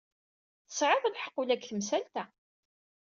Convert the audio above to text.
Tesɛiḍ lḥeqq ula deg temsalt-a.